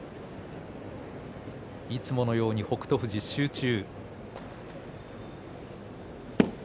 いつものように北勝富士集中。